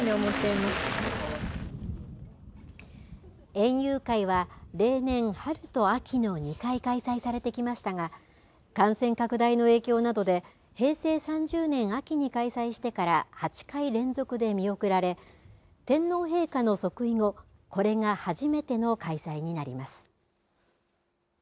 園遊会は例年春と秋と２回開催されてきましたが感染拡大の影響などで平成３０年秋に開催してから８回連続で見送られ天皇陛下の即位後これが初めての開催になります。